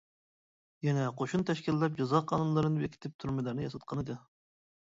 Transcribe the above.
يەنە قوشۇن تەشكىللەپ جازا قانۇنلىرىنى بېكىتىپ، تۈرمىلەرنى ياساتقانىدى.